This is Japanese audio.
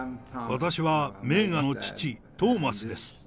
私はメーガンの父、トーマスです。